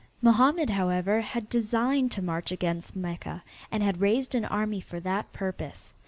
Mohammed, however, had already designed to march against Mecca and had raised an army for that purpose.